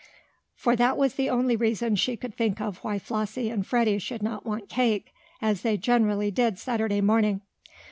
For that was the only reason she could think of why Flossie and Freddie should not want cake as they generally did Saturday morning.